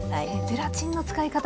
ゼラチンの使い方